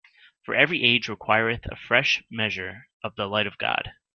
For every age requireth a fresh measure of the light of God.